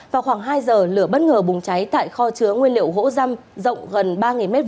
vào khoảng hai giờ lửa bất ngờ bùng cháy tại kho chứa nguyên liệu gỗ răm rộng gần ba m hai